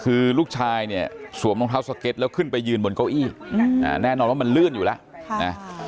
คือลูกชายเนี่ยสวมรองเท้าสเก็ตแล้วขึ้นไปยืนบนเก้าอี้แน่นอนว่ามันลื่นอยู่แล้วนะ